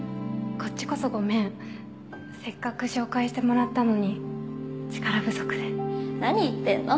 こっちこそごめんせっかく紹介してもらったのに力不足で何言ってんの？